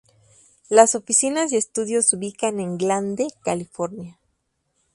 Las oficinas y estudios se ubican en Glendale, California.